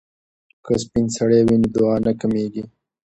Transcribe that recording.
که سپین سرې وي نو دعا نه کمیږي.